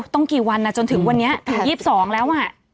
ต้องกี่วันจนถึงวันนี้ถึง๒๒แล้ว